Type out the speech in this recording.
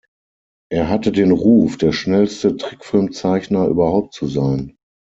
Er hatte den Ruf, der schnellste Trickfilmzeichner überhaupt zu sein.